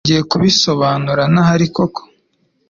Wongeye kubisobanura nahari koko?